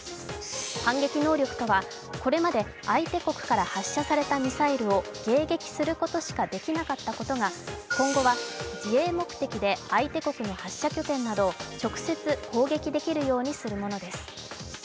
反撃能力とはこれまで相手国から発射されたミサイルを迎撃することしかできなかったことが、今後は自衛目的で相手国の発射拠点などを直接、攻撃できるようにするものです。